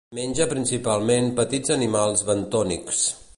Menja principalment petits animals bentònics.